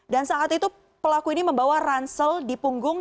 dan saat itu pelaku ini membawa ransel di punggung